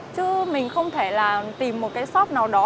chứ mình không thể là tìm một cái shop nào đó